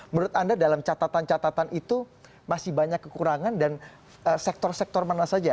menurut anda dalam catatan catatan itu masih banyak kekurangan dan sektor sektor mana saja